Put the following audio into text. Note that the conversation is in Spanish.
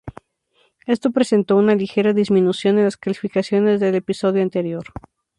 Esto presentó una ligera disminución en las calificaciones del episodio anterior.